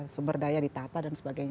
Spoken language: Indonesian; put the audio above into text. sumber daya ditata dan sebagainya